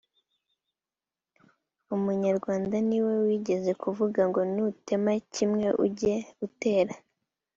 umunyarwanda ni we wigeze kuvuga ngo nutema kimwe uge utera